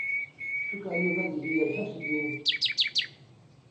Cikkeɣ Yuba ad yili yerfa fell-i.